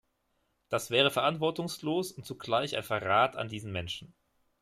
Das wäre verantwortungslos und zugleich ein Verrat an diesen Menschen.